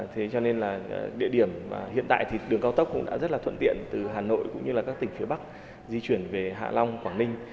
thế cho nên là địa điểm hiện tại thì đường cao tốc cũng đã rất là thuận tiện từ hà nội cũng như là các tỉnh phía bắc di chuyển về hạ long quảng ninh